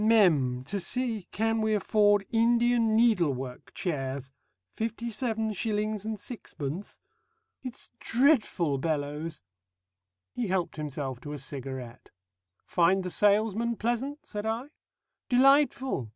Mem. to see can we afford Indian needlework chairs 57s. 6d.? It's dreadful, Bellows!" He helped himself to a cigarette. "Find the salesman pleasant?" said I. "Delightful.